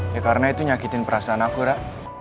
ia karena itu nyakitin perasaan aku ra